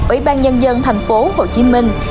ủy ban nhân dân thành phố hồ chí minh